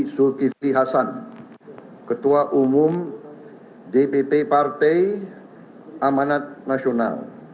sekretaris general dpp partai gorongan karya